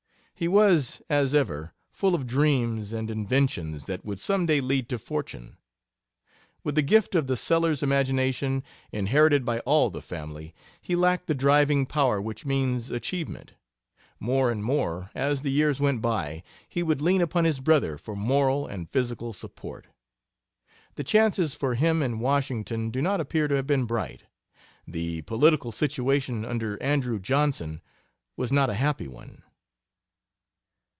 He was, as ever, full of dreams and inventions that would some day lead to fortune. With the gift of the Sellers imagination, inherited by all the family, he lacked the driving power which means achievement. More and more as the years went by he would lean upon his brother for moral and physical support. The chances for him in Washington do not appear to have been bright. The political situation under Andrew Johnson was not a happy one.